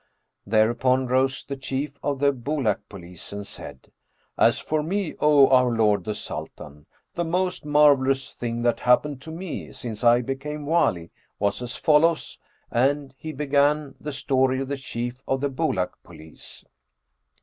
Thereupon rose the Chief of the Bulak Police and said, "As for me, O our lord the Sultan, the most marvellous thing that happened to me, since I became Wali, was as follows:" and he began The Story of the Chief of the Bulak Police.